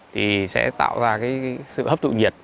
thì sẽ tạo ra sự hấp tụ nhiệt